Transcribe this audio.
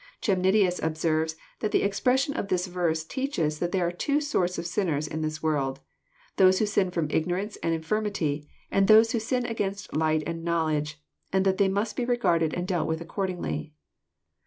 Chemnitius observes, that the expression of this verse teaches that there are two sorts of sinneis in this world, — those who sin from ignorance and infirmity, and those who sin against light and knowledge, and that they must be regarded and dealt with accordingly.